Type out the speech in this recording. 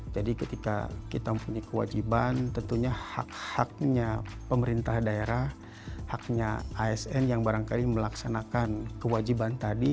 jadi ketika kita mempunyai kewajiban tentunya hak haknya pemerintah daerah haknya asn yang barangkali melaksanakan kewajiban tadi